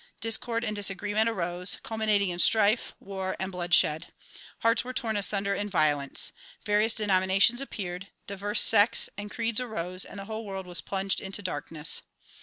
Discord and disagreement arose, cul minating in strife, war and bloodshed. Hearts were torn asunder in violence. Various denominations appeared, diverse sects and creeds arose and the whole world was plunged into darkness.